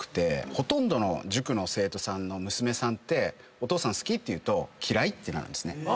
ほとんどの塾の生徒さんの娘さんってお父さん好き？って言うと「嫌い」ってなるんですね。